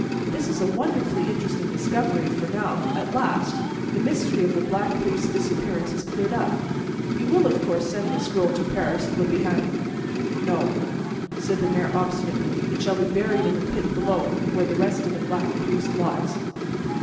This is a wonderfully interesting discovery, for now, at last, the mystery of the Black Priest's disappearance is cleared up. You will, of course, send this scroll to Paris, Le Bihan?" "No," said the mayor obstinately, "it shall be buried in the pit below where the rest of the Black Priest lies."